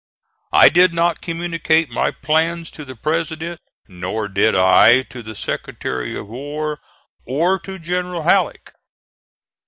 I did not communicate my plans to the President, nor did I to the Secretary of War or to General Halleck.